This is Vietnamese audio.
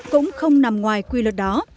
cũng không nằm ngoài quy luật đó